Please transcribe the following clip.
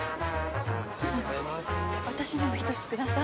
私にも１つください。